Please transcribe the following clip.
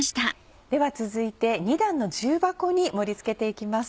では続いて２段の重箱に盛りつけて行きます。